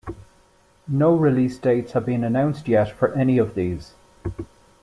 No release dates have been announced yet for any of these.